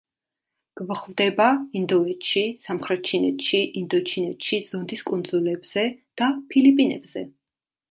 გვხვდება ინდოეთში, სამხრეთ ჩინეთში, ინდოჩინეთში, ზონდის კუნძულებზე და ფილიპინებზე.